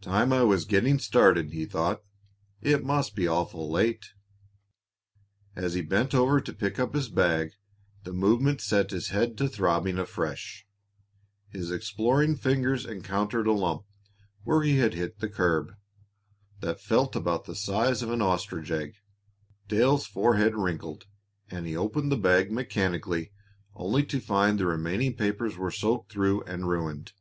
"Time I was getting started," he thought. "It must be awful late." As he bent over to pick up his bag, the movement set his head to throbbing afresh. His exploring fingers encountered a lump, where he had hit the curb, that felt about the size of an ostrich egg. Dale's forehead wrinkled, and he opened the bag mechanically, only to find the remaining papers were soaked through and ruined.